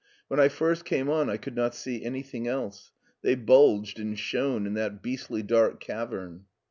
When I first came on I could not see anything else. They bulged and shone in that beastly dark cavern."